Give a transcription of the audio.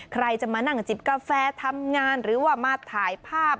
ใครจะมานั่งจิบกาแฟทำงานหรือว่ามาถ่ายภาพ